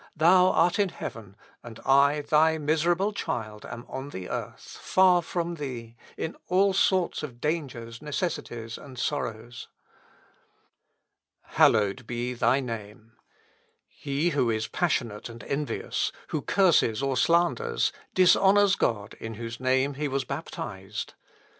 thou art in heaven, and I, thy miserable child, am on the earth, far from thee, in all sorts of dangers, necessities, and sorrows.' "Hallowed be thy name! He who is passionate and envious, who curses or slanders, dishonours God, in whose name he was baptized.